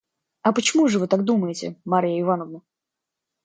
– А почему же вы так думаете, Марья Ивановна?